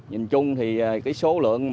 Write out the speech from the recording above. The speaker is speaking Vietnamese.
nhìn chung thì cái số lượng